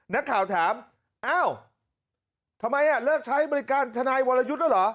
นักข่าวถามอ้าวทำไมเลิกใช้บริการทนายวรยุทธ์แล้วเหรอ